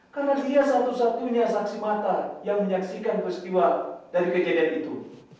karena dia satu satunya saksi mata yang menyaksikan peristiwa dari kejadian itu